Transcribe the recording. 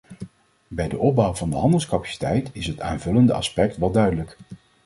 Bij de opbouw van de handelscapaciteit is het aanvullende aspect wel duidelijk.